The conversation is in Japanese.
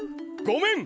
・ごめん！